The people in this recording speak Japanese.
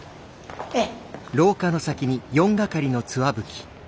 ええ。